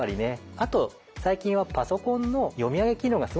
あと最近はパソコンの読み上げ機能がすごく充実してきたんですよ。